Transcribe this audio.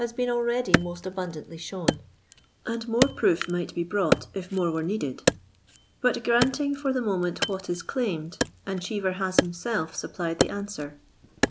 been already most abundantly shown, and more proof might be brought if more were needed. But granting for the moment what is claimed, and Cheever has himself supplied the answer.